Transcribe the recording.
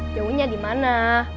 jauhnya di mana